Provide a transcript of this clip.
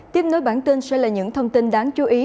tiếp nối bản tin sẽ là những thông tin đáng chú ý